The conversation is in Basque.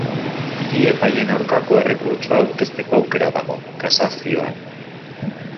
Bi epaien aurkako errekurtsoa aurkezteko aukera dago, kasazioan.